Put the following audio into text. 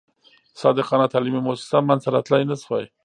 صادقانه تعلیمي موسسه منځته راتلای نه شوای.